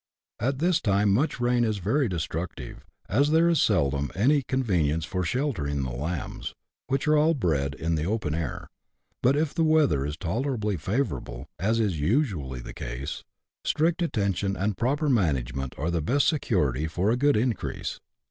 At this time much rain is very destructive, as there is seldom any convenience for sheltering the lambs, which are all bred in the open air ; but if the weather is tolerably favourable, as is usually the case, strict attention and proper management are the best security for a good increase.